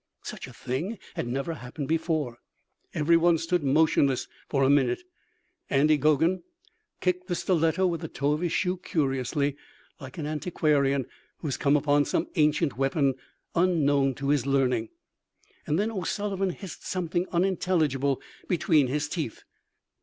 Such a thing had never happened before. Every one stood motionless for a minute. Andy Geoghan kicked the stiletto with the toe of his shoe curiously, like an antiquarian who has come upon some ancient weapon unknown to his learning. And then O'Sullivan hissed something unintelligible between his teeth.